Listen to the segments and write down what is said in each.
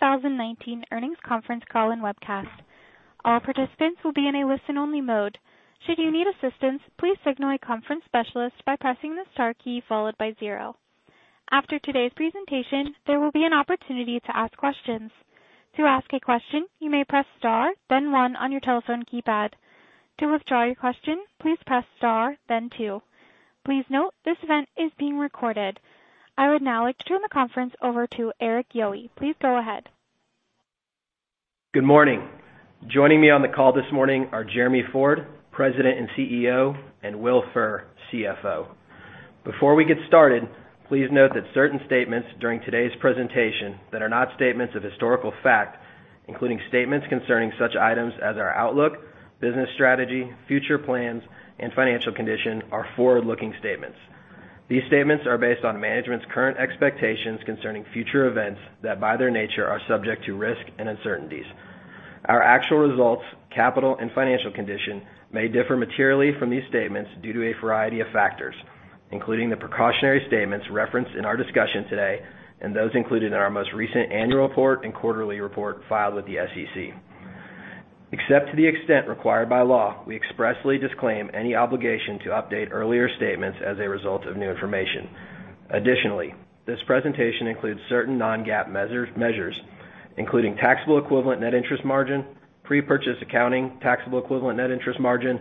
Our 2019 earnings conference call and webcast. All participants will be in a listen only mode. Should you need assistance, please signal a conference specialist by pressing the star key followed by zero. After today's presentation, there will be an opportunity to ask questions. To ask a question, you may press star, then one on your telephone keypad. To withdraw your question, please press star, then two. Please note, this event is being recorded. I would now like to turn the conference over to Erik Yohe. Please go ahead. Good morning. Joining me on the call this morning are Jeremy Ford, President and CEO, and Will Furr, CFO. Before we get started, please note that certain statements during today's presentation that are not statements of historical fact, including statements concerning such items as our outlook, business strategy, future plans, and financial condition, are forward-looking statements. These statements are based on management's current expectations concerning future events that, by their nature, are subject to risk and uncertainties. Our actual results, capital, and financial condition may differ materially from these statements due to a variety of factors, including the precautionary statements referenced in our discussion today and those included in our most recent annual report and quarterly report filed with the SEC. Except to the extent required by law, we expressly disclaim any obligation to update earlier statements as a result of new information. Additionally, this presentation includes certain non-GAAP measures, including taxable equivalent net interest margin, prepurchase accounting, taxable equivalent net interest margin,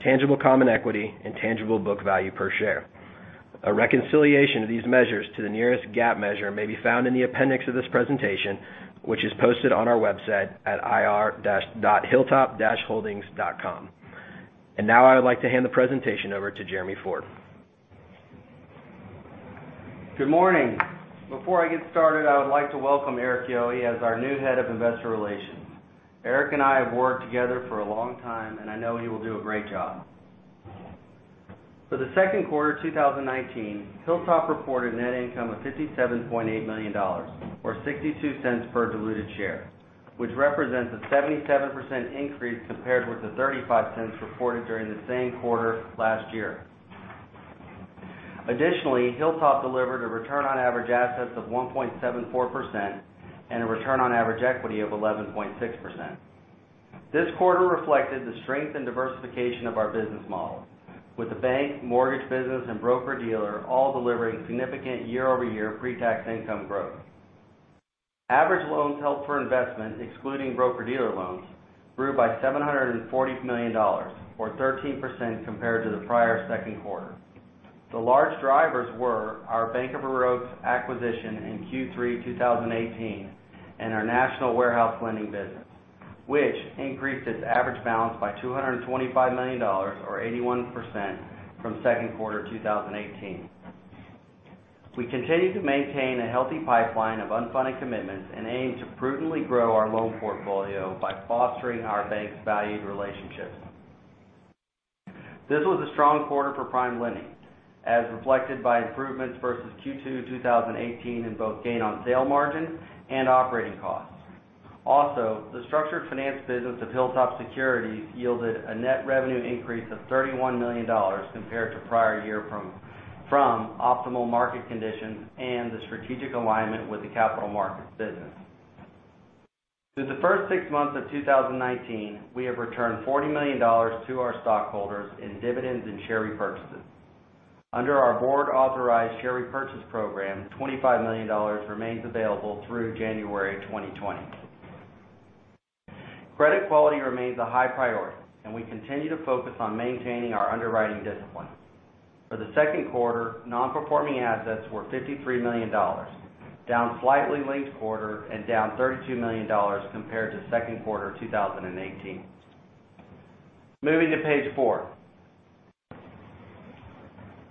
tangible common equity, and tangible book value per share. A reconciliation of these measures to the nearest GAAP measure may be found in the appendix of this presentation, which is posted on our website at ir.hilltop-holdings.com. Now I would like to hand the presentation over to Jeremy Ford. Good morning. Before I get started, I would like to welcome Erik Yohe as our new head of investor relations. Erik and I have worked together for a long time, and I know he will do a great job. For the second quarter 2019, Hilltop reported net income of $57.8 million, or $0.62 per diluted share, which represents a 77% increase compared with the $0.35 reported during the same quarter last year. Additionally, Hilltop delivered a return on average assets of 1.74% and a return on average equity of 11.6%. This quarter reflected the strength and diversification of our business model with the bank, mortgage business, and broker-dealer all delivering significant year-over-year pre-tax income growth. Average loans held for investment, excluding broker-dealer loans, grew by $740 million, or 13% compared to the prior second quarter. The large drivers were our The Bank of River Oaks acquisition in Q3 2018 and our national warehouse lending business, which increased its average balance by $225 million, or 81%, from second quarter 2018. We continue to maintain a healthy pipeline of unfunded commitments and aim to prudently grow our loan portfolio by fostering our bank's valued relationships. This was a strong quarter for PrimeLending, as reflected by improvements versus Q2 2018 in both gain on sale margin and operating costs. The structured finance business of HilltopSecurities yielded a net revenue increase of $31 million compared to prior year from optimal market conditions and the strategic alignment with the capital markets business. Through the first six months of 2019, we have returned $40 million to our stockholders in dividends and share repurchases. Under our board-authorized share repurchase program, $25 million remains available through January 2020. Credit quality remains a high priority, and we continue to focus on maintaining our underwriting discipline. For the second quarter, non-performing assets were $53 million, down slightly linked quarter and down $32 million compared to second quarter 2018. Moving to page four.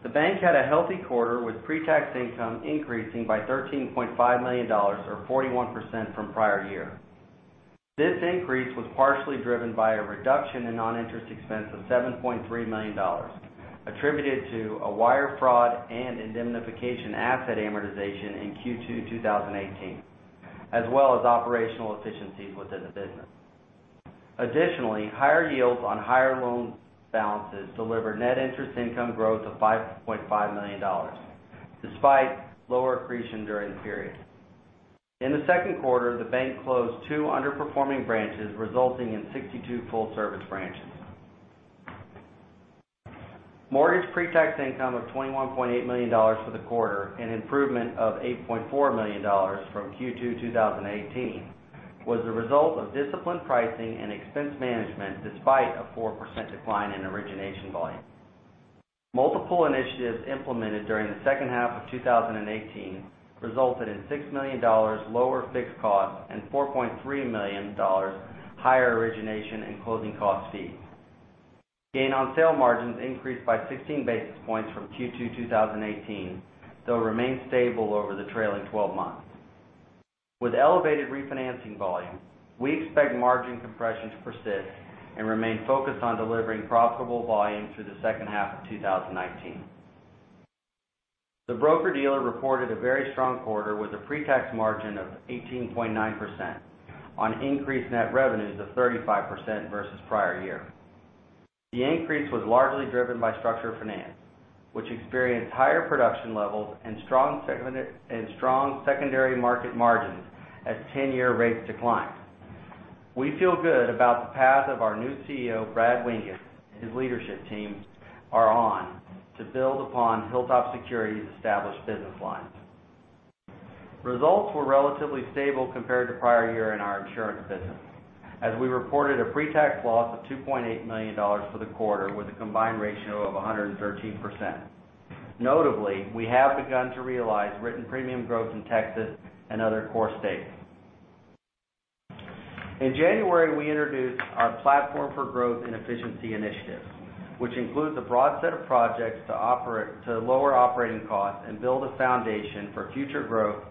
The bank had a healthy quarter with pre-tax income increasing by $13.5 million, or 41%, from prior year. This increase was partially driven by a reduction in non-interest expense of $7.3 million, attributed to a wire fraud and indemnification asset amortization in Q2 2018, as well as operational efficiencies within the business. Additionally, higher yields on higher loan balances delivered net interest income growth of $5.5 million, despite lower accretion during the period. In the second quarter, the bank closed two underperforming branches, resulting in 62 full-service branches. Mortgage pre-tax income of $21.8 million for the quarter, an improvement of $8.4 million from Q2 2018, was the result of disciplined pricing and expense management despite a 4% decline in origination volume. Multiple initiatives implemented during the second half of 2018 resulted in $6 million lower fixed costs and $4.3 million higher origination and closing cost fees. Gain on sale margins increased by 16 basis points from Q2 2018, though remained stable over the trailing 12 months. With elevated refinancing volume, we expect margin compression to persist and remain focused on delivering profitable volume through the second half of 2019. The broker-dealer reported a very strong quarter with a pre-tax margin of 18.9% on increased net revenues of 35% versus prior year. The increase was largely driven by structured finance, which experienced higher production levels and strong secondary market margins as 10-year rates declined. We feel good about the path of our new CEO, Brad Winges, and his leadership team are on to build upon HilltopSecurities' established business lines. Results were relatively stable compared to prior year in our insurance business, as we reported a pre-tax loss of $2.8 million for the quarter with a combined ratio of 113%. We have begun to realize written premium growth in Texas and other core states. In January, we introduced our Platform for Growth and Efficiency Initiatives, which includes a broad set of projects to lower operating costs and build a foundation for future growth.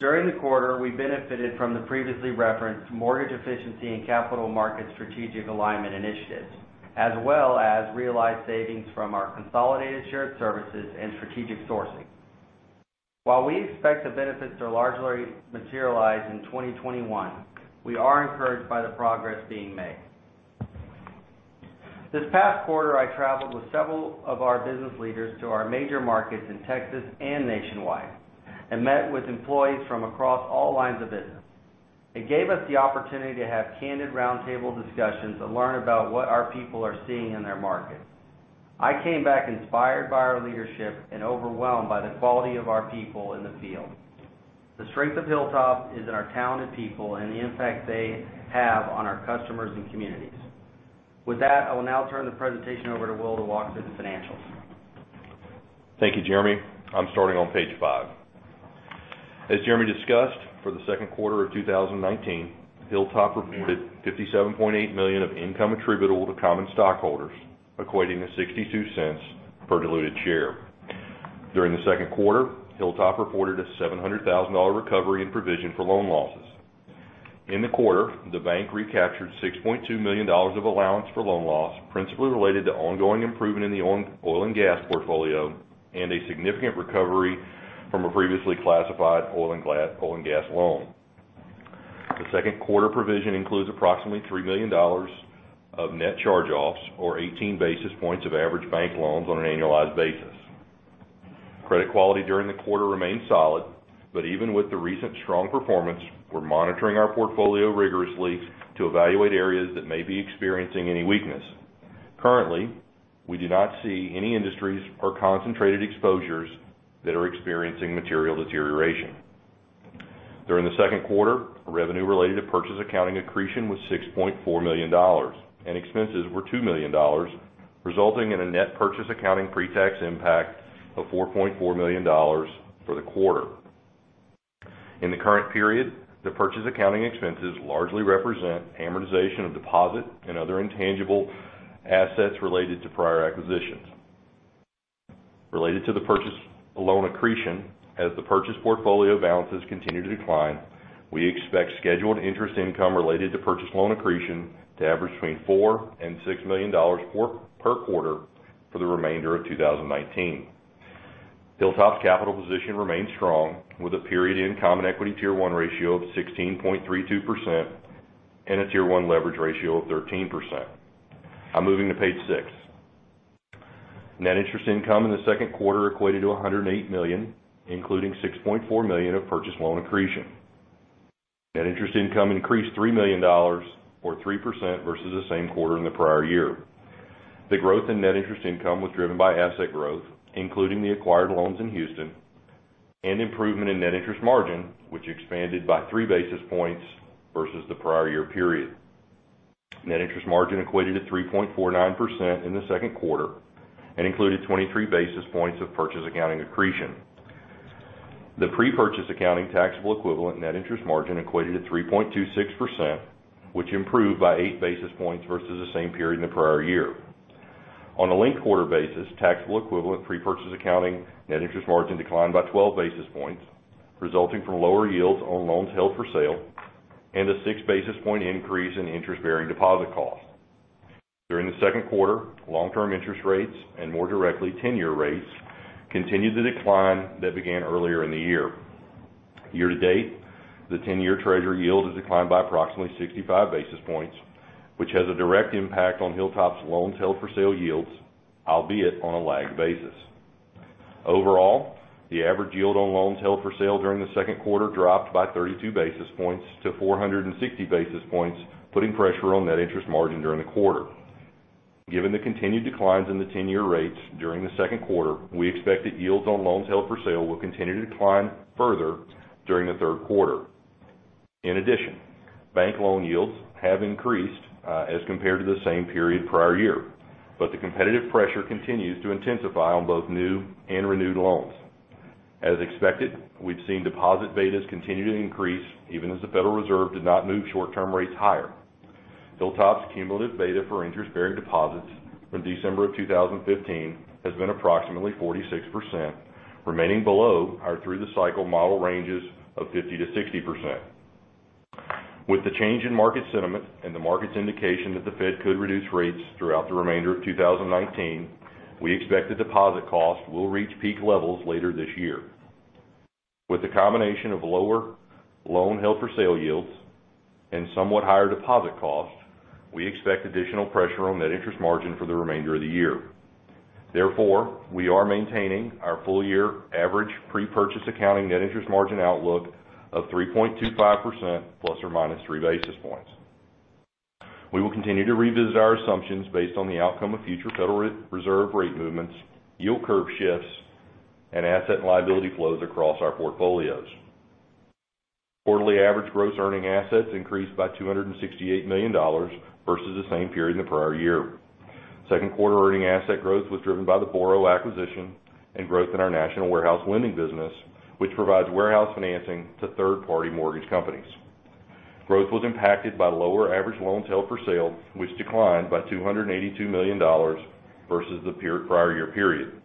During the quarter, we benefited from the previously referenced Mortgage Efficiency and Capital Markets Strategic Alignment Initiatives, as well as realized savings from our consolidated shared services and strategic sourcing. We expect the benefits to largely materialize in 2021, we are encouraged by the progress being made. This past quarter, I traveled with several of our business leaders to our major markets in Texas and nationwide and met with employees from across all lines of business. It gave us the opportunity to have candid roundtable discussions and learn about what our people are seeing in their markets. I came back inspired by our leadership and overwhelmed by the quality of our people in the field. The strength of Hilltop is in our talented people and the impact they have on our customers and communities. With that, I will now turn the presentation over to Will to walk through the financials. Thank you, Jeremy. I'm starting on page five. As Jeremy discussed, for the second quarter of 2019, Hilltop reported $57.8 million of income attributable to common stockholders, equating to $0.62 per diluted share. During the second quarter, Hilltop reported a $700,000 recovery in provision for loan losses. In the quarter, the bank recaptured $6.2 million of allowance for loan loss, principally related to ongoing improvement in the oil and gas portfolio, and a significant recovery from a previously classified oil and gas loan. The second quarter provision includes approximately $3 million of net charge-offs, or 18 basis points of average bank loans on an annualized basis. Credit quality during the quarter remained solid, even with the recent strong performance, we're monitoring our portfolio rigorously to evaluate areas that may be experiencing any weakness. Currently, we do not see any industries or concentrated exposures that are experiencing material deterioration. During the second quarter, revenue related to purchase accounting accretion was $6.4 million, and expenses were $2 million, resulting in a net purchase accounting pre-tax impact of $4.4 million for the quarter. In the current period, the purchase accounting expenses largely represent amortization of deposit and other intangible assets related to prior acquisitions. Related to the purchase loan accretion, as the purchase portfolio balances continue to decline, we expect scheduled interest income related to purchase loan accretion to average between $4 million and $6 million per quarter for the remainder of 2019. Hilltop's capital position remains strong, with a period end Common Equity Tier 1 ratio of 16.32% and a Tier 1 leverage ratio of 13%. I'm moving to page six. Net interest income in the second quarter equated to $108 million, including $6.4 million of purchase loan accretion. Net interest income increased $3 million, or 3%, versus the same quarter in the prior year. The growth in net interest income was driven by asset growth, including the acquired loans in Houston, and improvement in net interest margin, which expanded by three basis points versus the prior year period. Net interest margin equated to 3.49% in the second quarter and included 23 basis points of purchase accounting accretion. The pre-purchase accounting taxable equivalent net interest margin equated to 3.26%, which improved by eight basis points versus the same period in the prior year. On a linked quarter basis, taxable equivalent pre-purchase accounting net interest margin declined by 12 basis points, resulting from lower yields on loans held for sale and a six basis point increase in interest-bearing deposit costs. During the second quarter, long-term interest rates, and more directly, 10-year rates, continued the decline that began earlier in the year. Year to date, the 10-year Treasury yield has declined by approximately 65 basis points, which has a direct impact on Hilltop's loans held for sale yields, albeit on a lagged basis. Overall, the average yield on loans held for sale during the second quarter dropped by 32 basis points to 460 basis points, putting pressure on net interest margin during the quarter. Given the continued declines in the 10-year rates during the second quarter, we expect that yields on loans held for sale will continue to decline further during the third quarter. In addition, bank loan yields have increased, as compared to the same period prior year. The competitive pressure continues to intensify on both new and renewed loans. As expected, we've seen deposit betas continue to increase, even as the Federal Reserve did not move short-term rates higher. Hilltop's cumulative beta for interest-bearing deposits from December of 2015 has been approximately 46%, remaining below our through-the-cycle model ranges of 50%-60%. With the change in market sentiment and the market's indication that the Fed could reduce rates throughout the remainder of 2019, we expect the deposit cost will reach peak levels later this year. With the combination of lower loan held for sale yields and somewhat higher deposit costs, we expect additional pressure on net interest margin for the remainder of the year. Therefore, we are maintaining our full year average prepurchase accounting net interest margin outlook of 3.25%, ± three basis points. We will continue to revisit our assumptions based on the outcome of future Federal Reserve rate movements, yield curve shifts, and asset and liability flows across our portfolios. Quarterly average gross earning assets increased by $268 million versus the same period in the prior year. Second quarter earning asset growth was driven by the BORO acquisition and growth in our national warehouse lending business, which provides warehouse financing to third-party mortgage companies. Growth was impacted by lower average loans held for sale, which declined by $282 million versus the prior year period.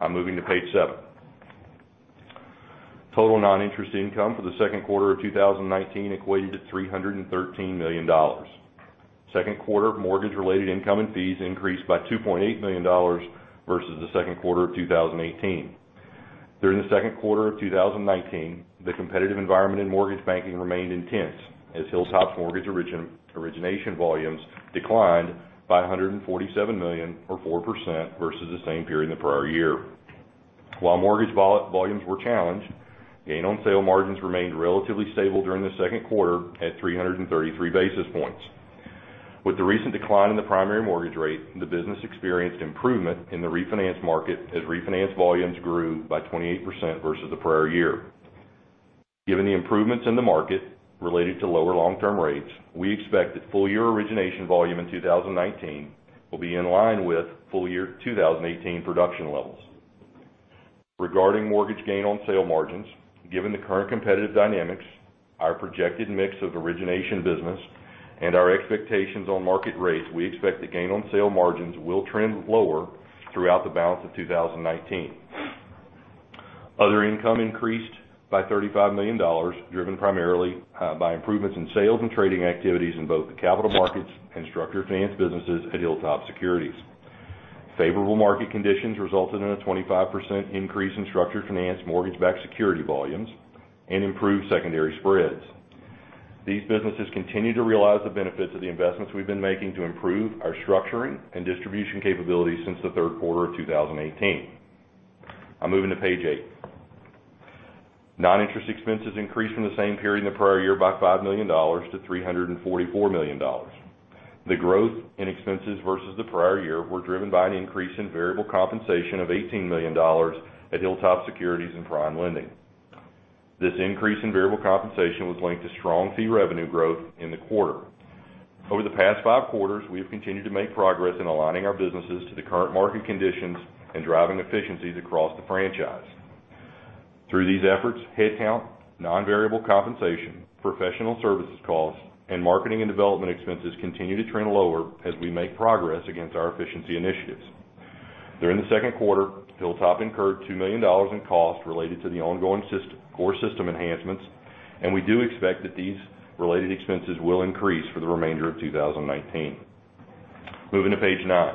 I'm moving to page seven. Total non-interest income for the second quarter of 2019 equated to $313 million. Second quarter mortgage related income and fees increased by $2.8 million versus the second quarter of 2018. During the second quarter of 2019, the competitive environment in mortgage banking remained intense as Hilltop's mortgage origination volumes declined by $147 million or 4% versus the same period in the prior year. While mortgage volumes were challenged, gain on sale margins remained relatively stable during the second quarter at 333 basis points. With the recent decline in the primary mortgage rate, the business experienced improvement in the refinance market as refinance volumes grew by 28% versus the prior year. Given the improvements in the market related to lower long-term rates, we expect that full-year origination volume in 2019 will be in line with full year 2018 production levels. Regarding mortgage gain on sale margins, given the current competitive dynamics, our projected mix of origination business, and our expectations on market rates, we expect the gain on sale margins will trend lower throughout the balance of 2019. Other income increased by $35 million, driven primarily by improvements in sales and trading activities in both the capital markets and structured finance businesses at Hilltop Securities. Favorable market conditions resulted in a 25% increase in structured finance mortgage-backed security volumes and improved secondary spreads. These businesses continue to realize the benefits of the investments we've been making to improve our structuring and distribution capabilities since the third quarter of 2018. I'm moving to page eight. Non-interest expenses increased from the same period in the prior year by $5 million to $344 million. The growth in expenses versus the prior year were driven by an increase in variable compensation of $18 million at Hilltop Securities and PrimeLending. This increase in variable compensation was linked to strong fee revenue growth in the quarter. Over the past five quarters, we have continued to make progress in aligning our businesses to the current market conditions and driving efficiencies across the franchise. Through these efforts, headcount, non-variable compensation, professional services costs, and marketing and development expenses continue to trend lower as we make progress against our efficiency initiatives. During the second quarter, Hilltop incurred $2 million in costs related to the ongoing core system enhancements, and we do expect that these related expenses will increase for the remainder of 2019. Moving to page nine.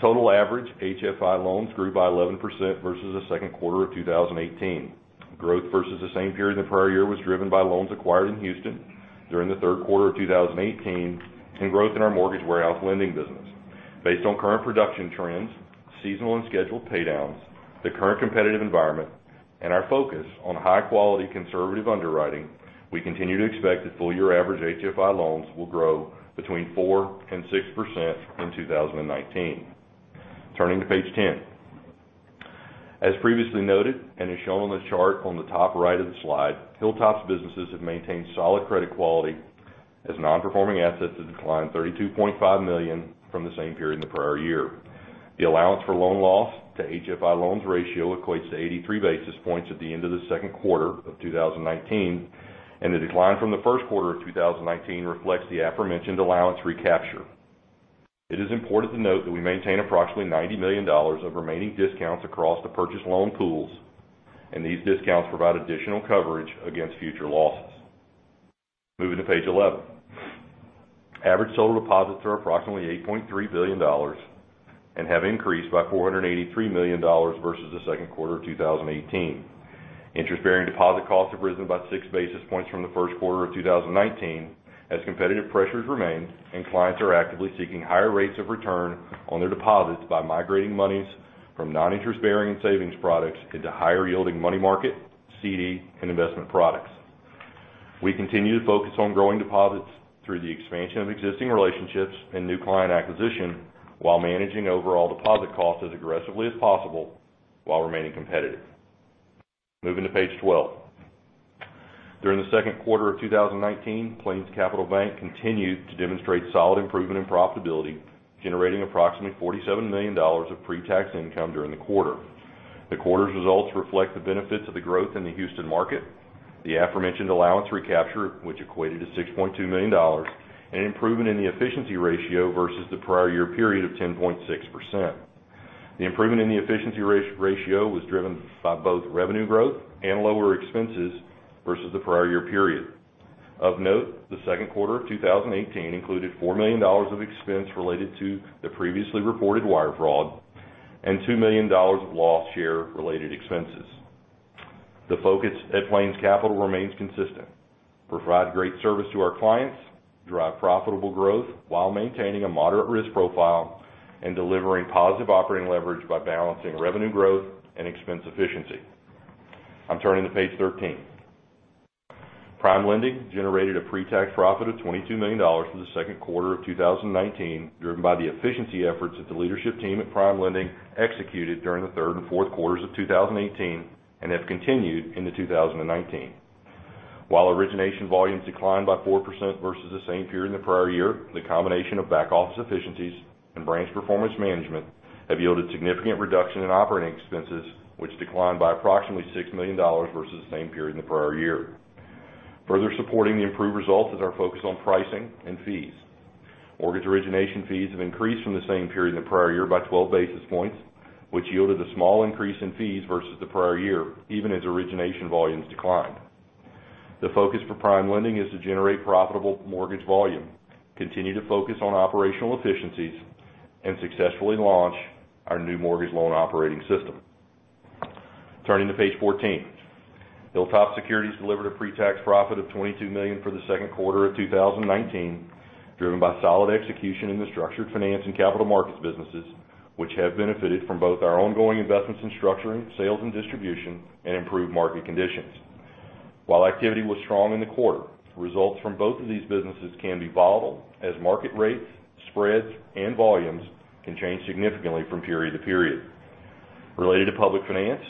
Total average HFI loans grew by 11% versus the second quarter of 2018. Growth versus the same period in the prior year was driven by loans acquired in Houston during the third quarter of 2018 and growth in our mortgage warehouse lending business. Based on current production trends, seasonal and scheduled paydowns, the current competitive environment, and our focus on high-quality, conservative underwriting, we continue to expect that full year average HFI loans will grow between 4% and 6% in 2019. Turning to page 10. As previously noted and as shown on the chart on the top right of the slide, Hilltop's businesses have maintained solid credit quality as non-performing assets have declined $32.5 million from the same period in the prior year. The allowance for loan loss to HFI loans ratio equates to 83 basis points at the end of the second quarter of 2019, and the decline from the first quarter of 2019 reflects the aforementioned allowance recapture. It is important to note that we maintain approximately $90 million of remaining discounts across the purchased loan pools, and these discounts provide additional coverage against future losses. Moving to page 11. Average total deposits are approximately $8.3 billion and have increased by $483 million versus the second quarter of 2018. Interest-bearing deposit costs have risen by six basis points from the first quarter of 2019, as competitive pressures remain and clients are actively seeking higher rates of return on their deposits by migrating monies from non-interest-bearing and savings products into higher yielding money market, CD, and investment products. We continue to focus on growing deposits through the expansion of existing relationships and new client acquisition while managing overall deposit cost as aggressively as possible, while remaining competitive. Moving to page 12. During the second quarter of 2019, PlainsCapital Bank continued to demonstrate solid improvement in profitability, generating approximately $47 million of pre-tax income during the quarter. The quarter's results reflect the benefits of the growth in the Houston market, the aforementioned allowance recapture, which equated to $6.2 million, and improvement in the efficiency ratio versus the prior year period of 10.6%. The improvement in the efficiency ratio was driven by both revenue growth and lower expenses versus the prior year period. Of note, the second quarter of 2018 included $4 million of expense related to the previously reported wire fraud and $2 million of loss share-related expenses. The focus at PlainsCapital remains consistent: provide great service to our clients, drive profitable growth while maintaining a moderate risk profile, and delivering positive operating leverage by balancing revenue growth and expense efficiency. I'm turning to page 13. PrimeLending generated a pre-tax profit of $22 million for the second quarter of 2019, driven by the efficiency efforts that the leadership team at PrimeLending executed during the third and fourth quarters of 2018, and have continued into 2019. While origination volumes declined by 4% versus the same period in the prior year, the combination of back-office efficiencies and branch performance management have yielded significant reduction in operating expenses, which declined by approximately $6 million versus the same period in the prior year. Further supporting the improved results is our focus on pricing and fees. Mortgage origination fees have increased from the same period in the prior year by 12 basis points, which yielded a small increase in fees versus the prior year, even as origination volumes declined. The focus for PrimeLending is to generate profitable mortgage volume, continue to focus on operational efficiencies, and successfully launch our new mortgage loan operating system. Turning to page 14. Hilltop Securities delivered a pre-tax profit of $22 million for the second quarter of 2019, driven by solid execution in the structured finance and capital markets businesses, which have benefited from both our ongoing investments in structuring, sales and distribution, and improved market conditions. While activity was strong in the quarter, results from both of these businesses can be volatile as market rates, spreads, and volumes can change significantly from period to period. Related to public finance,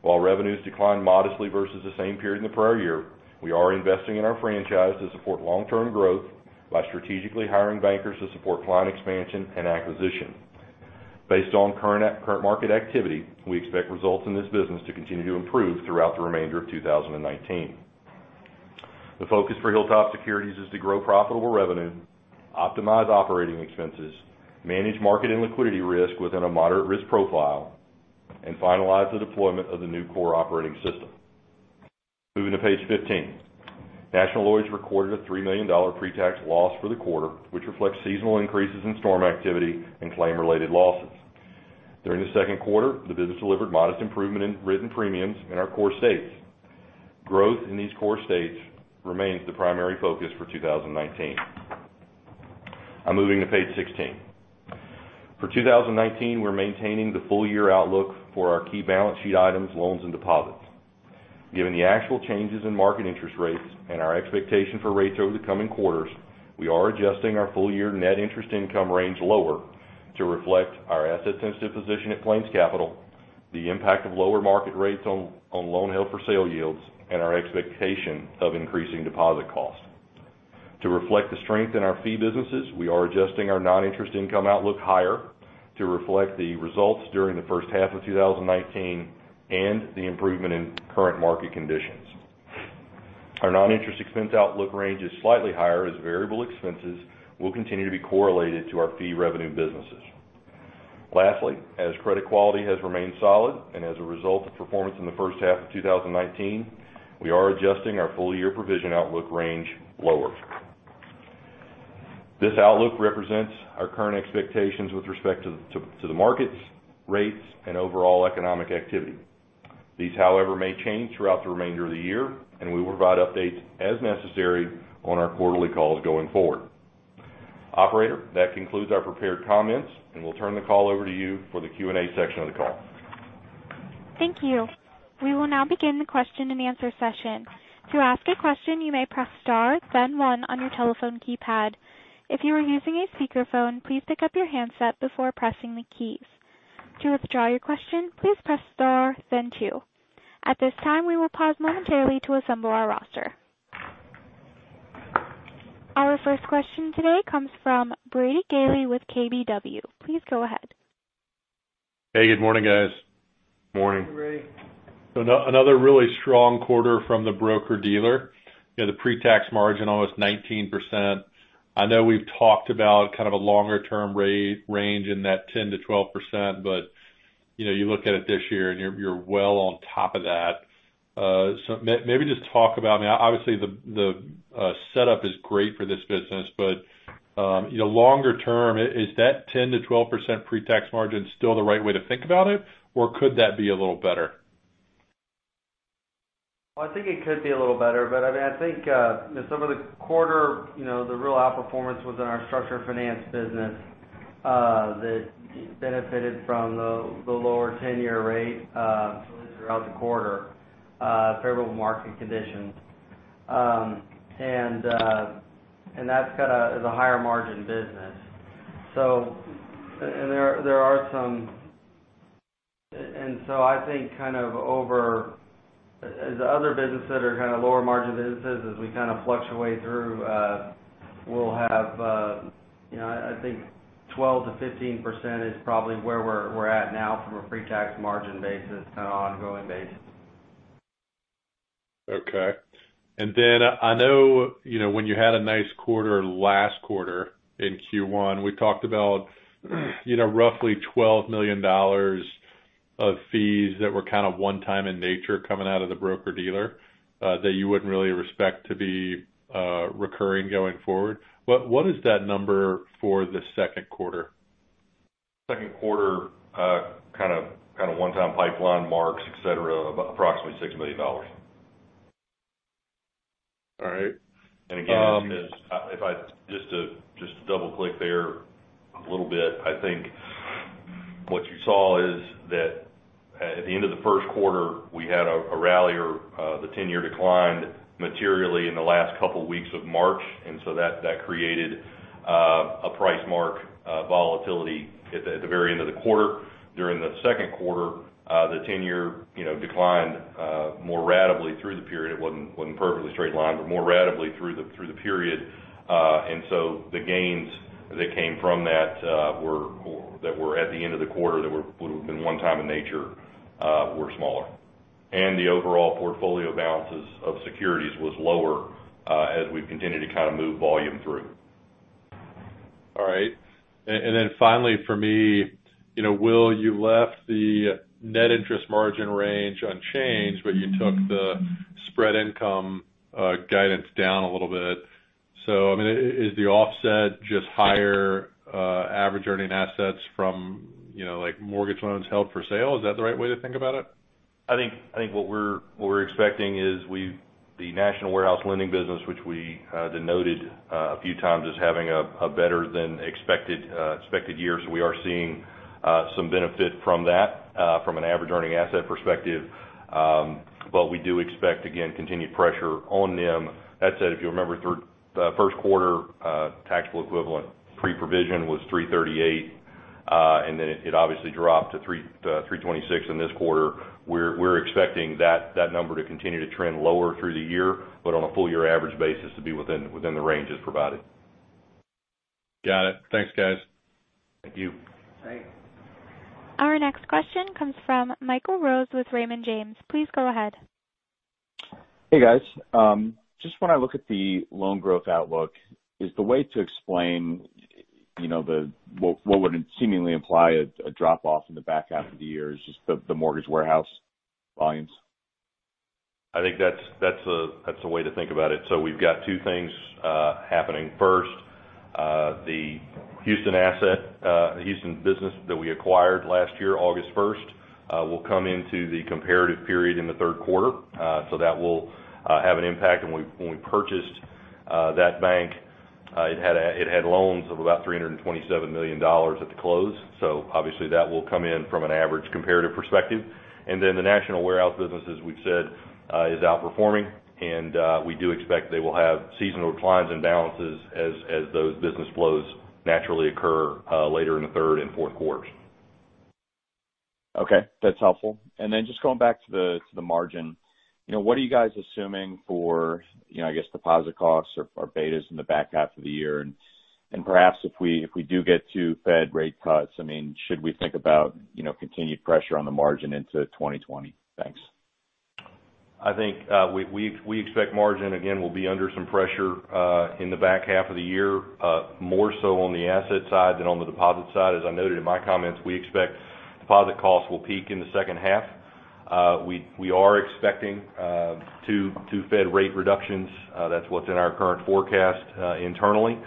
while revenues declined modestly versus the same period in the prior year, we are investing in our franchise to support long-term growth by strategically hiring bankers to support client expansion and acquisition. Based on current market activity, we expect results in this business to continue to improve throughout the remainder of 2019. The focus for Hilltop Securities is to grow profitable revenue, optimize operating expenses, manage market and liquidity risk within a moderate risk profile, and finalize the deployment of the new core operating system. Moving to page 15. National Lloyds recorded a $3 million pre-tax loss for the quarter, which reflects seasonal increases in storm activity and claim-related losses. During the second quarter, the business delivered modest improvement in written premiums in our core states. Growth in these core states remains the primary focus for 2019. I'm moving to page 16. For 2019, we're maintaining the full-year outlook for our key balance sheet items, loans, and deposits. Given the actual changes in market interest rates and our expectation for rates over the coming quarters, we are adjusting our full-year net interest income range lower to reflect our asset-sensitive position at PlainsCapital, the impact of lower market rates on loan held for sale yields, and our expectation of increasing deposit costs. To reflect the strength in our fee businesses, we are adjusting our non-interest income outlook higher to reflect the results during the first half of 2019 and the improvement in current market conditions. Our non-interest expense outlook range is slightly higher, as variable expenses will continue to be correlated to our fee revenue businesses. Lastly, as credit quality has remained solid and as a result of performance in the first half of 2019, we are adjusting our full-year provision outlook range lower. This outlook represents our current expectations with respect to the markets, rates, and overall economic activity. These, however, may change throughout the remainder of the year, and we will provide updates as necessary on our quarterly calls going forward. Operator, that concludes our prepared comments, and we'll turn the call over to you for the Q&A section of the call. Thank you. We will now begin the question and answer session. To ask a question, you may press star then one on your telephone keypad. If you are using a speakerphone, please pick up your handset before pressing the keys. To withdraw your question, please press star then two. At this time, we will pause momentarily to assemble our roster. Our first question today comes from Brady Gailey with KBW. Please go ahead. Hey, good morning, guys. Morning. Hey, Brady. Another really strong quarter from the broker-dealer. The pre-tax margin almost 19%. I know we've talked about a longer-term range in that 10% to 12%, but you look at it this year and you're well on top of that. Maybe just talk about, obviously, the setup is great for this business, but longer term, is that 10% to 12% pre-tax margin still the right way to think about it, or could that be a little better? Well, I think it could be a little better, but I think, just over the quarter, the real outperformance was in our structured finance business that benefited from the lower 10-year rate at least throughout the quarter, favorable market conditions. That is a higher margin business. I think as the other businesses that are lower margin businesses, as we fluctuate through, we'll have, I think 12%-15% is probably where we're at now from a pre-tax margin basis on an ongoing basis. Okay. I know when you had a nice quarter last quarter in Q1, we talked about roughly $12 million of fees that were one-time in nature coming out of the broker-dealer, that you wouldn't really expect to be recurring going forward. What is that number for the second quarter? Second quarter one-time pipeline marks, et cetera, approximately $6 million. All right. Again, just to double-click there a little bit, I think what you saw is that at the end of the first quarter, we had a rally or the tenor declined materially in the last couple weeks of March, that created a price mark volatility at the very end of the quarter. During the second quarter, the tenor declined more ratably through the period. It wasn't a perfectly straight line, more ratably through the period. The gains that came from that were at the end of the quarter, that would've been one-time in nature, were smaller. The overall portfolio balances of securities was lower as we continue to move volume through. All right. Finally for me, Will, you left the net interest margin range unchanged, but you took the spread income guidance down a little bit. Is the offset just higher average earning assets from mortgage loans held for sale? Is that the right way to think about it? I think what we're expecting is the national warehouse lending business, which we denoted a few times as having a better than expected year. We are seeing some benefit from that from an average earning asset perspective. We do expect, again, continued pressure on NIM. That said, if you remember the first quarter taxable equivalent pre-provision was 338, and then it obviously dropped to 326 in this quarter. We're expecting that number to continue to trend lower through the year, but on a full year average basis to be within the ranges provided. Got it. Thanks, guys. Thank you. Thanks. Our next question comes from Michael Rose with Raymond James. Please go ahead. Hey, guys. Just when I look at the loan growth outlook, is the way to explain what would seemingly imply a drop-off in the back half of the year is just the mortgage warehouse volumes? I think that's a way to think about it. We've got two things happening. First, the Houston business that we acquired last year, August 1st, will come into the comparative period in the third quarter. That will have an impact. When we purchased that bank, it had loans of about $327 million at the close. Obviously, that will come in from an average comparative perspective. Then the national warehouse business, as we've said, is outperforming. We do expect they will have seasonal declines and balances as those business flows naturally occur later in the third and fourth quarters. Okay. That's helpful. Just going back to the margin. What are you guys assuming for deposit costs or betas in the back half of the year? Perhaps if we do get two Fed rate cuts, should we think about continued pressure on the margin into 2020? Thanks. I think we expect margin, again, will be under some pressure in the back half of the year, more so on the asset side than on the deposit side. As I noted in my comments, we expect deposit costs will peak in the second half. We are expecting two Fed rate reductions. That's what's in our current forecast internally.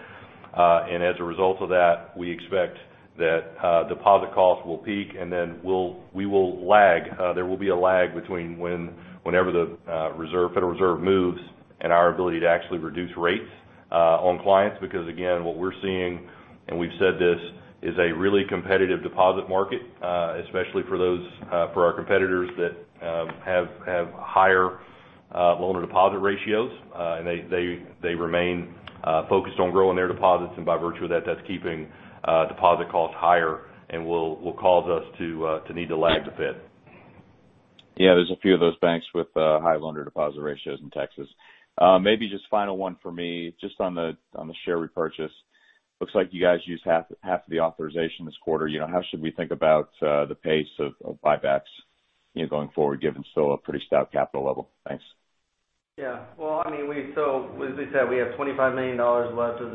As a result of that, we expect that deposit costs will peak, and then there will be a lag between whenever the Federal Reserve moves and our ability to actually reduce rates on clients. Again, what we're seeing, and we've said this, is a really competitive deposit market, especially for our competitors that have higher loan-to-deposit ratios. They remain focused on growing their deposits, and by virtue of that's keeping deposit costs higher and will cause us to need to lag the Fed. Yeah, there's a few of those banks with high loan-to-deposit ratios in Texas. Maybe just final one for me, just on the share repurchase. Looks like you guys used half of the authorization this quarter. How should we think about the pace of buybacks going forward, given still a pretty stout capital level? Thanks. Yeah. As we said, we have $25 million left of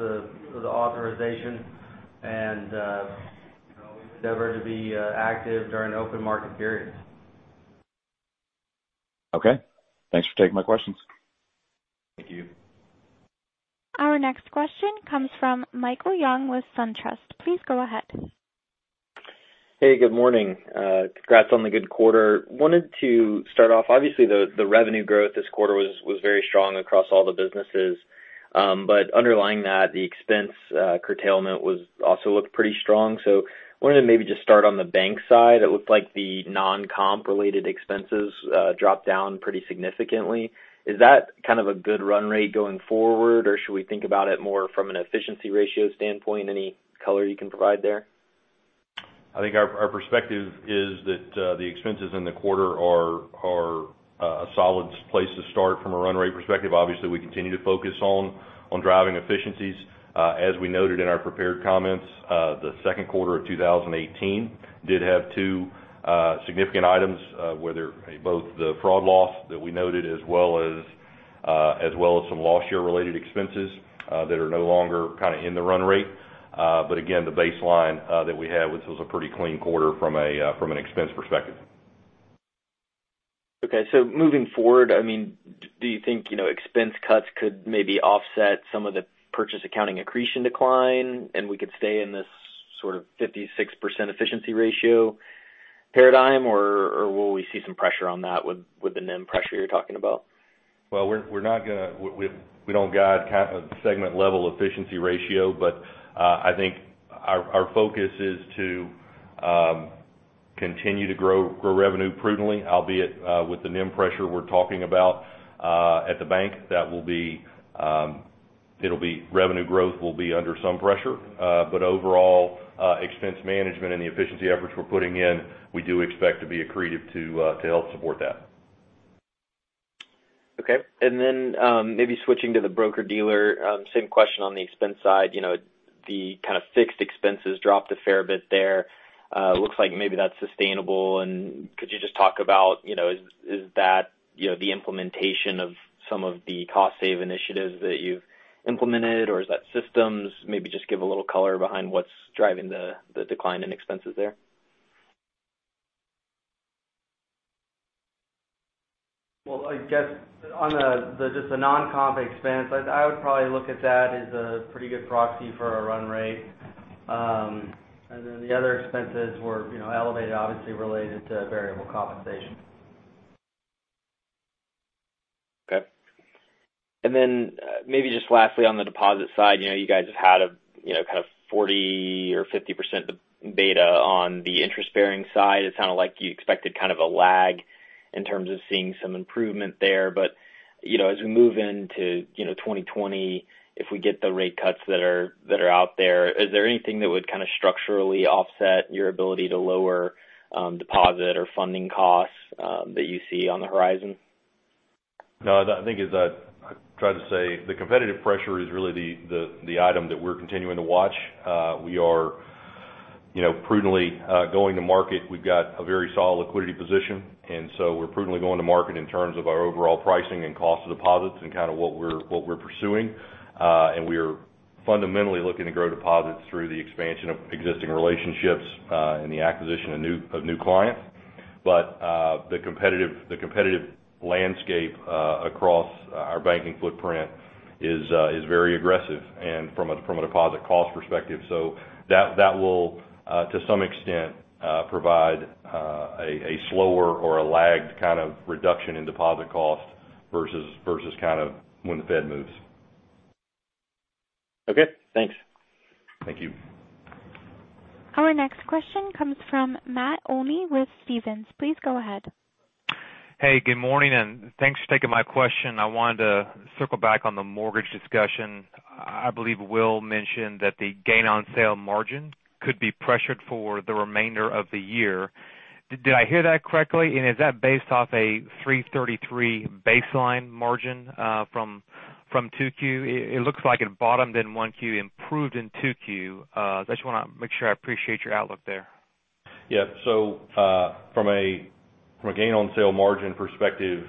the authorization, and we endeavor to be active during open market periods. Okay. Thanks for taking my questions. Thank you. Our next question comes from Michael Young with SunTrust. Please go ahead. Hey, good morning. Congrats on the good quarter. Wanted to start off, obviously the revenue growth this quarter was very strong across all the businesses. Underlying that, the expense curtailment also looked pretty strong. Wanted to maybe just start on the bank side. It looked like the non-comp related expenses dropped down pretty significantly. Is that kind of a good run rate going forward, or should we think about it more from an efficiency ratio standpoint? Any color you can provide there? I think our perspective is that the expenses in the quarter are a solid place to start from a run rate perspective. Obviously, we continue to focus on driving efficiencies. As we noted in our prepared comments, the second quarter of 2018 did have two significant items, where both the fraud loss that we noted as well as some loss share related expenses that are no longer kind of in the run rate. Again, the baseline that we had, this was a pretty clean quarter from an expense perspective. Okay, moving forward, do you think expense cuts could maybe offset some of the purchase accounting accretion decline and we could stay in this sort of 56% efficiency ratio paradigm, or will we see some pressure on that with the NIM pressure you're talking about? We don't guide kind of segment level efficiency ratio, but I think our focus is to continue to grow revenue prudently, albeit with the NIM pressure we're talking about at the bank, revenue growth will be under some pressure. Overall, expense management and the efficiency efforts we're putting in, we do expect to be accretive to help support that. Okay. Maybe switching to the broker-dealer, same question on the expense side. The kind of fixed expenses dropped a fair bit there. Looks like maybe that's sustainable. Could you just talk about, is that the implementation of some of the cost save initiatives that you've implemented, or is that systems? Just give a little color behind what's driving the decline in expenses there. Well, I guess on just the non-comp expense, I would probably look at that as a pretty good proxy for our run rate. The other expenses were elevated, obviously related to variable compensation. Okay. Then, maybe just lastly, on the deposit side, you guys have had a kind of 40% or 50% beta on the interest-bearing side. It sounded like you expected kind of a lag in terms of seeing some improvement there. As we move into 2020, if we get the rate cuts that are out there, is there anything that would kind of structurally offset your ability to lower deposit or funding costs that you see on the horizon? No, I think as I tried to say, the competitive pressure is really the item that we're continuing to watch. We are prudently going to market. We've got a very solid liquidity position. We're prudently going to market in terms of our overall pricing and cost of deposits and kind of what we're pursuing. The competitive landscape across our banking footprint is very aggressive and from a deposit cost perspective. That will, to some extent, provide a slower or a lagged kind of reduction in deposit cost versus kind of when the Fed moves. Okay, thanks. Thank you. Our next question comes from Matt Olney with Stephens. Please go ahead. Hey, good morning and thanks for taking my question. I wanted to circle back on the mortgage discussion. I believe Will mentioned that the gain on sale margin could be pressured for the remainder of the year. Did I hear that correctly? Is that based off a 333 baseline margin from 2Q? It looks like it bottomed in 1Q, improved in 2Q. I just want to make sure I appreciate your outlook there. Yeah. From a gain on sale margin perspective,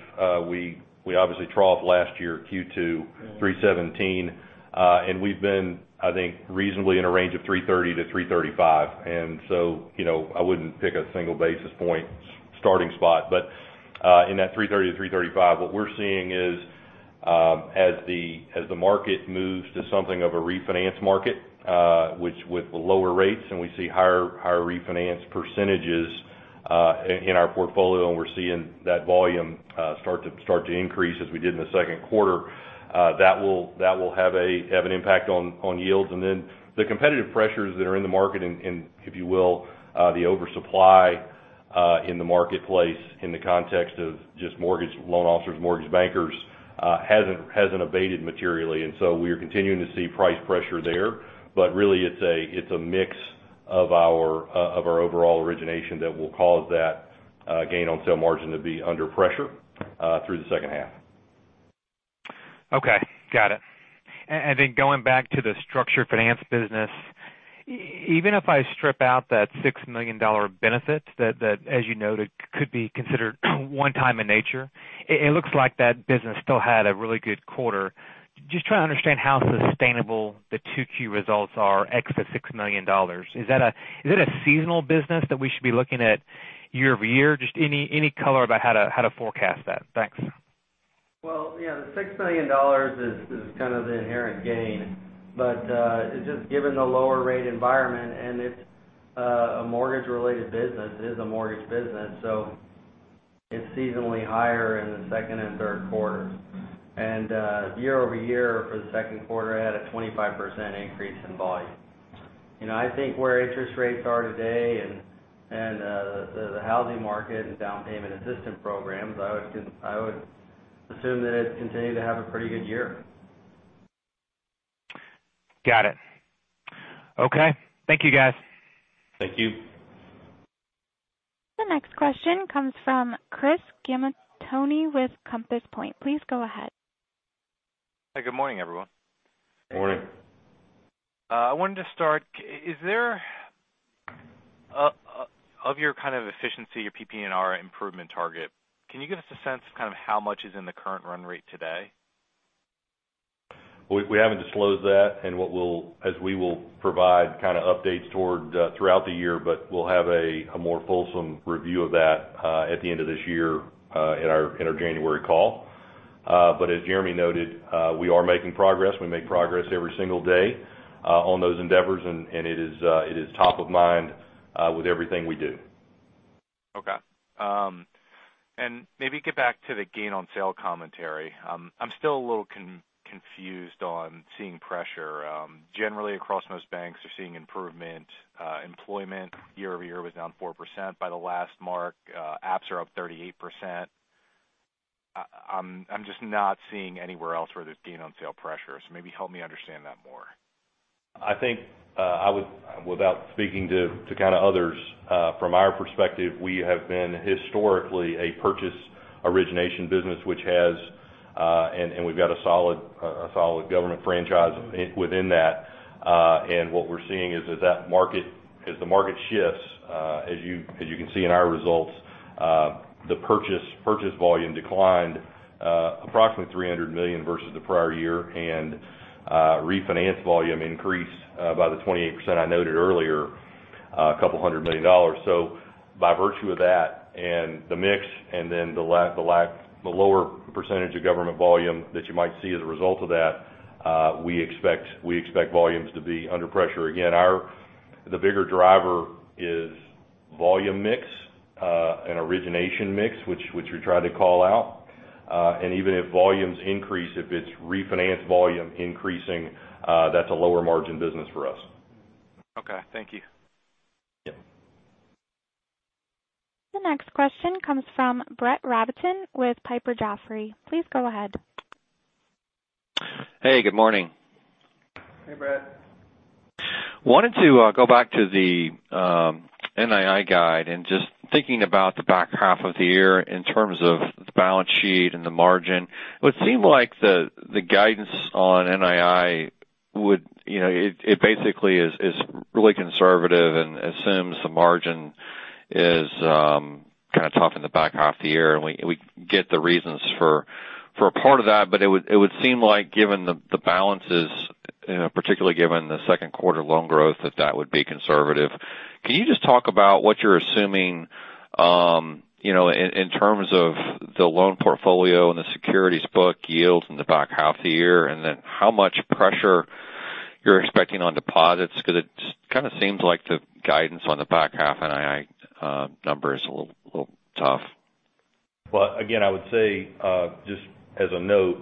we obviously trough last year, Q2 317. We've been, I think, reasonably in a range of 330-335. I wouldn't pick a single basis point starting spot. In that 330-335, what we're seeing is, as the market moves to something of a refinance market, with the lower rates, and we see higher refinance percentages in our portfolio, and we're seeing that volume start to increase as we did in the second quarter, that will have an impact on yields. The competitive pressures that are in the market and, if you will, the oversupply in the marketplace in the context of just mortgage loan officers, mortgage bankers, hasn't abated materially. We are continuing to see price pressure there. Really, it's a mix of our overall origination that will cause that gain on sale margin to be under pressure through the second half. Okay. Got it. Then going back to the structured finance business. Even if I strip out that $6 million benefit that as you noted, could be considered one time in nature, it looks like that business still had a really good quarter. Just trying to understand how sustainable the 2Q results are, ex the $6 million. Is it a seasonal business that we should be looking at year-over-year? Just any color about how to forecast that. Thanks. Well, yeah, the $6 million is kind of the inherent gain, just given the lower rate environment, and it's a mortgage related business, it is a mortgage business, so it's seasonally higher in the second and third quarters. Year-over-year for the second quarter, it had a 25% increase in volume. I think where interest rates are today and the housing market and down payment assistance programs, I would assume that it continued to have a pretty good year. Got it. Okay. Thank you, guys. Thank you. The next question comes from Chris Gamaitoni with Compass Point. Please go ahead. Hey, good morning, everyone. Morning. I wanted to start. Of your kind of efficiency, your PPNR improvement target, can you give us a sense of how much is in the current run rate today? We haven't disclosed that and as we will provide updates throughout the year, but we'll have a more fulsome review of that, at the end of this year, in our January call. As Jeremy noted, we are making progress. We make progress every single day on those endeavors, and it is top of mind with everything we do. Okay. Maybe get back to the gain on sale commentary. I'm still a little confused on seeing pressure. Generally, across most banks are seeing improvement. Employment year-over-year was down 4% by the last mark. Apps are up 38%. I'm just not seeing anywhere else where there's gain on sale pressure. Maybe help me understand that more. I think, without speaking to others, from our perspective, we have been historically a purchase origination business, and we've got a solid government franchise within that. What we're seeing is as the market shifts, as you can see in our results, the purchase volume declined approximately $300 million versus the prior year and refinance volume increased by the 28% I noted earlier, $200 million. By virtue of that and the mix and then the lower percentage of government volume that you might see as a result of that, we expect volumes to be under pressure. Again, the bigger driver is volume mix, and origination mix, which we tried to call out. Even if volumes increase, if it's refinance volume increasing, that's a lower margin business for us. Okay. Thank you. Yeah. The next question comes from Brett Rabatin with Piper Jaffray. Please go ahead. Hey, good morning. Hey, Brett. wanted to go back to the NII guide and just thinking about the back half of the year in terms of the balance sheet and the margin. It would seem like the guidance on NII basically is really conservative and assumes the margin is kind of tough in the back half of the year, and we get the reasons for a part of that, but it would seem like given the balances, particularly given the second quarter loan growth, that would be conservative. Can you just talk about what you're assuming, in terms of the loan portfolio and the securities book yields in the back half of the year, and then how much pressure you're expecting on deposits? It kind of seems like the guidance on the back half NII number is a little tough. Well, again, I would say, just as a note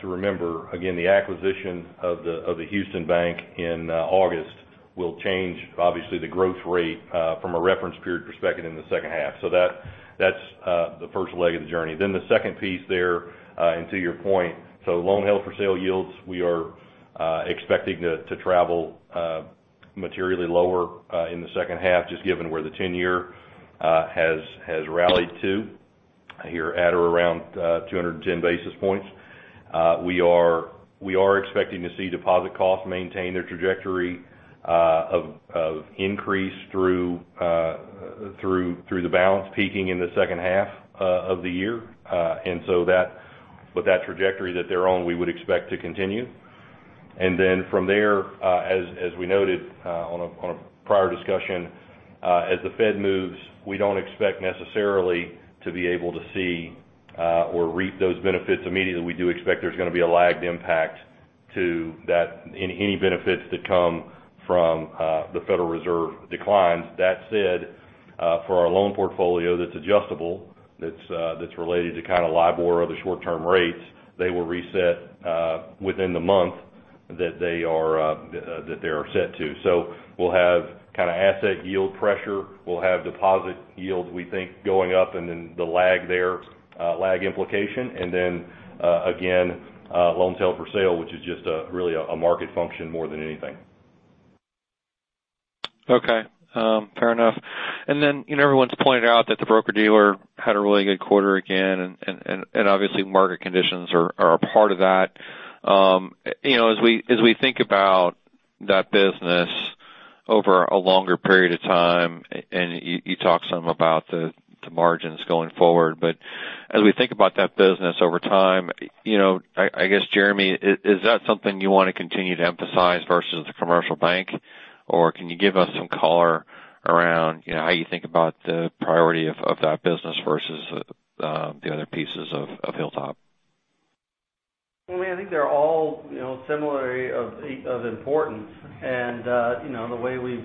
to remember, again, the acquisition of The Bank of River Oaks in August will change obviously the growth rate from a reference period perspective in the second half. That's the first leg of the journey. The second piece there, and to your point, so loan held for sale yields, we are expecting to travel materially lower in the second half just given where the 10-year has rallied to here at or around 210 basis points. We are expecting to see deposit costs maintain their trajectory of increase through the balance peaking in the second half of the year. With that trajectory that they're on, we would expect to continue. From there, as we noted on a prior discussion, as the Fed moves, we don't expect necessarily to be able to see or reap those benefits immediately. We do expect there's going to be a lagged impact to any benefits that come from the Federal Reserve declines. That said, for our loan portfolio that's adjustable, that's related to kind of LIBOR or other short-term rates, they will reset within the month that they are set to. We'll have kind of asset yield pressure. We'll have deposit yields, we think, going up, and then the lag there, lag implication, and then, again, loans held for sale, which is just really a market function more than anything. Okay. Fair enough. Everyone's pointed out that the broker-dealer had a really good quarter again, and obviously market conditions are a part of that. As we think about that business over a longer period of time, and you talked some about the margins going forward. As we think about that business over time, I guess, Jeremy, is that something you want to continue to emphasize versus the commercial bank? Or can you give us some color around how you think about the priority of that business versus the other pieces of Hilltop? Well, I think they're all similarly of importance. The way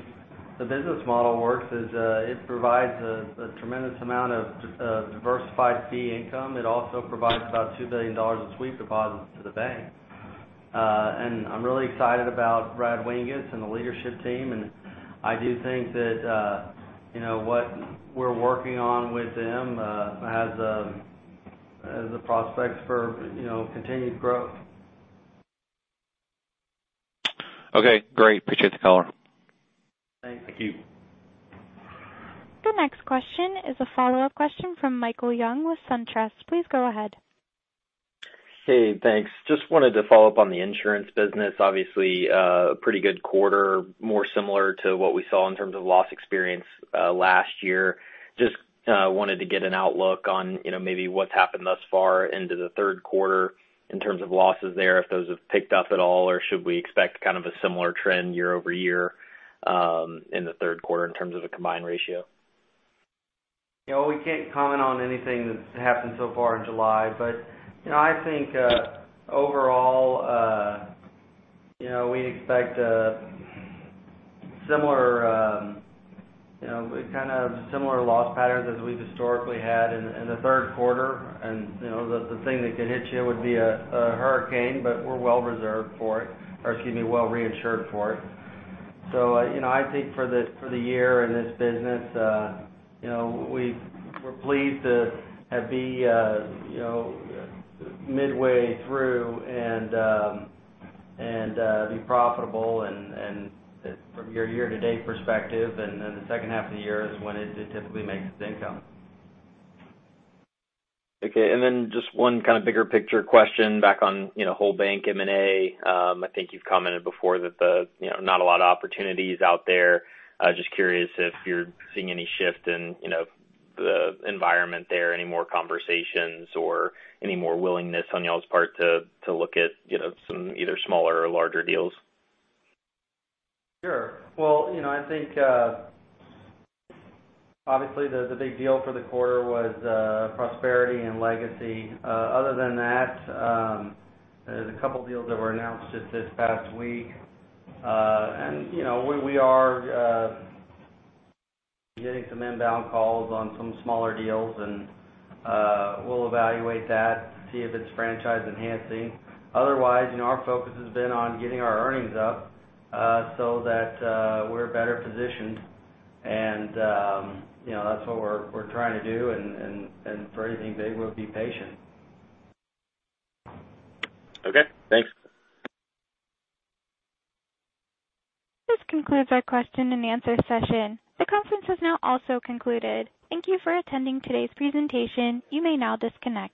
the business model works is it provides a tremendous amount of diversified fee income. It also provides about $2 billion a sweep deposits to the bank. I'm really excited about Brad Winges and the leadership team, and I do think that what we're working on with them has a prospect for continued growth. Okay, great. Appreciate the color. Thanks. Thank you. The next question is a follow-up question from Michael Young with SunTrust. Please go ahead. Hey, thanks. Just wanted to follow up on the insurance business. Obviously, a pretty good quarter, more similar to what we saw in terms of loss experience last year. Just wanted to get an outlook on maybe what's happened thus far into the third quarter in terms of losses there, if those have picked up at all, or should we expect a similar trend year-over-year in the third quarter in terms of the combined ratio? We can't comment on anything that's happened so far in July. I think, overall, we expect similar loss patterns as we've historically had in the third quarter. The thing that could hit you would be a hurricane, but we're well reserved for it or, excuse me, well reinsured for it. I think for the year in this business, we're pleased to be midway through and be profitable from your year-to-date perspective. Then the second half of the year is when it typically makes its income. Okay. Just one kind of bigger picture question back on whole bank M&A. I think you've commented before that not a lot of opportunities out there. Just curious if you're seeing any shift in the environment there, any more conversations or any more willingness on y'all's part to look at some either smaller or larger deals? Sure. Well, I think, obviously, the big deal for the quarter was Prosperity and Legacy. Other than that, there's a couple deals that were announced just this past week. We are getting some inbound calls on some smaller deals, and we'll evaluate that, see if it's franchise enhancing. Otherwise, our focus has been on getting our earnings up so that we're better positioned. That's what we're trying to do. For anything, they will be patient. Okay, thanks. This concludes our question and answer session. The conference has now also concluded. Thank you for attending today's presentation. You may now disconnect.